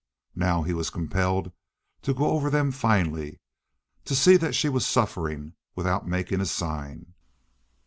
Now he was compelled to go over them finally, to see that she was suffering without making a sign.